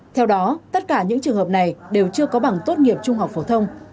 theo đó tất cả những trường hợp này đều chưa có bằng tốt nghiệp trung học phổ thông